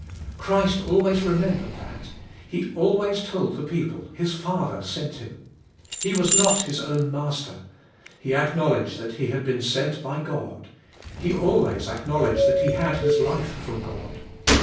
Christ always remembered that. He always told the people His Father sent Him. He was not His own master. He acknowledged that He had been sent by God. He always acknowledged that He had His life from God.